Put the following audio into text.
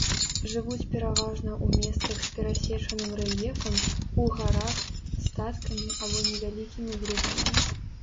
Жывуць пераважна ў месцах з перасечаным рэльефам, у гарах, статкамі або невялікімі групамі.